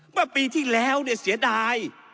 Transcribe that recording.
ว่าปีที่แล้วเนี่ยเสียดาย